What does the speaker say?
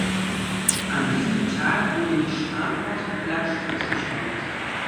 An diesem Tag wurde die "Scharnhorst" Flaggschiff des Geschwaders.